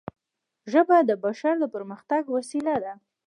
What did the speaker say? ژبه د بشر د پرمختګ وسیله ده